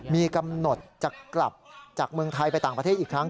มีกำหนดจะกลับจากเมืองไทยไปต่างประเทศอีกครั้ง